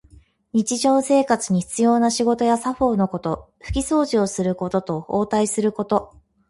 日常生活に必要な仕事や作法のこと。ふきそうじをすることと、応対すること。